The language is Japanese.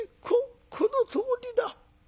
このとおりだ。